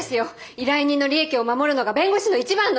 依頼人の利益を守るのが弁護士の一番の。